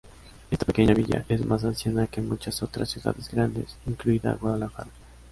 Esta pequeña villa es más anciana que muchas otras ciudades grandes, incluida Guadalajara.